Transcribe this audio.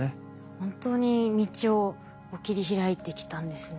本当に道を切り開いてきたんですね。